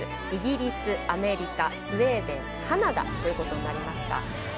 イギリス、アメリカスウェーデンカナダということになりました。